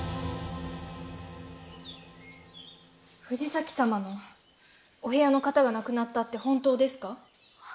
藤崎様のお部屋の方が亡くなったって本当ですか？